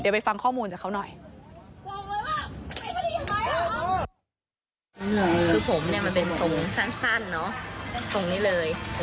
ไปฟังข้อมูลจากเขาหน่อย